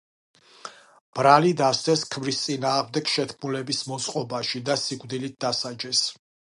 ბრალი დასდეს ქმრის წინააღმდეგ შეთქმულების მოწყობაში და სიკვდილით დასაჯეს.